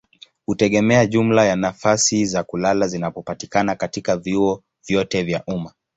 hutegemea jumla ya nafasi za kulala zinazopatikana katika vyuo vyote vya umma.